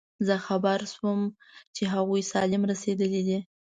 زه خبر شوم چې هغوی سالم رسېدلي دي.